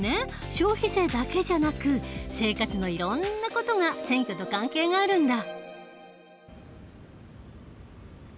消費税だけじゃなく生活のいろんな事が選挙と関係があるんだ。